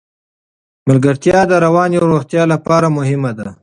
ملګرتیا د رواني روغتیا لپاره مهمه ده.